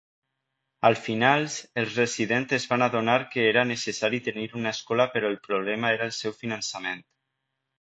Al finals els residents es van adonar que era necessari tenir una escola però el problema era el seu finançament.